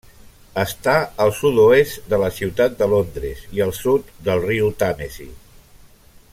Està al sud-oest de la ciutat de Londres i al sud del riu Tàmesi.